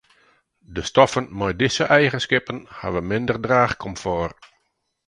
De stoffen mei dizze eigenskippen hawwe minder draachkomfort.